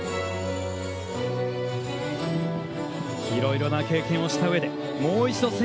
いろいろな経験をしたうえもう一度